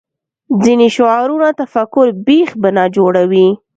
ځینې شعارونه تفکر بېخ بنا جوړوي